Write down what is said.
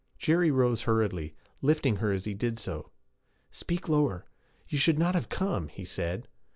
Jerry rose hurriedly, lifting her as he did so. 'Speak lower. You should not have come,' he said.